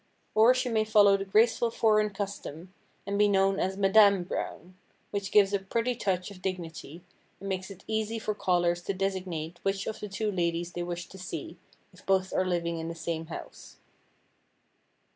Or she may follow the graceful foreign custom and be known as "Madame Brown," which gives a pretty touch of dignity and makes it easy for callers to designate which of the two ladies they wish to see if both are living in the same house.